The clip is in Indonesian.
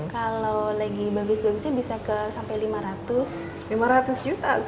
kalau lagi bagus bagusnya bisa sampai lima ratus juta